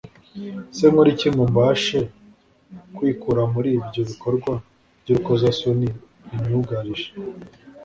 Ese nkore iki ngo mbashe kwikura muri ibyo bikorwa by’urukozasoni binyugarije